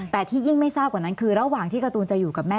แต่ที่ยิ่งไม่ทราบกว่านั้นคือระหว่างที่การ์ตูนจะอยู่กับแม่